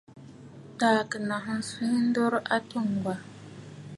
Taà kɨ naŋsə swɛ̌ ndurə a atû Ŋgwà.